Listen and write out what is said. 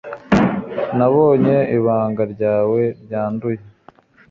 nabonye ibanga ryawe ryanduye